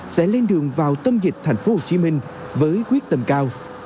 sẽ lên đường vào tâm nhiệt thành phố hồ chí minh với quyết tâm cao